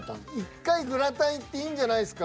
１回グラタンいっていいんじゃないですか。